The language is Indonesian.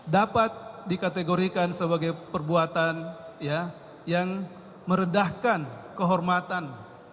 dapat dikategorikan sebagai perbuatan yang meredahkan kehormatan